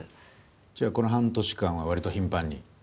じゃあこの半年間は割と頻繁に？